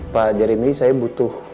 pak dari ini saya butuh